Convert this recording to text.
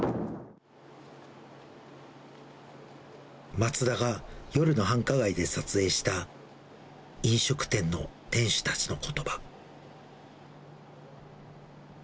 松田が夜の繁華街で撮影した飲食店の店主たちのことば。